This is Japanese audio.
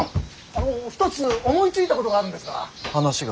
あの一つ思いついたことがあるんですが。